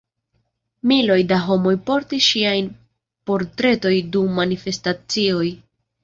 Miloj da homoj portis ŝiajn portretojn dum manifestacioj.